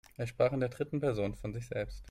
Er sprach in der dritten Person von sich selbst.